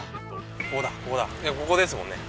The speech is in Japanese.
ここだここですもんね。